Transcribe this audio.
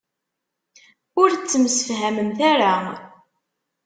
Ur ttemsefhament ara.